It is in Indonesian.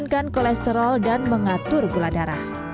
kolesterol dan mengatur gula darah